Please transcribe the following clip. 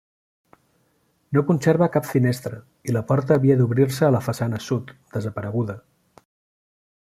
No conserva cap finestra i la porta havia d'obrir-se a la façana sud, desapareguda.